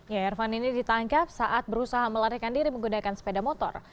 ya ervan ini ditangkap saat berusaha melarikan diri menggunakan sepeda motor